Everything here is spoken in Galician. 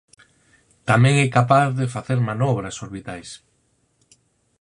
Tamén é capaz de facer manobras orbitais.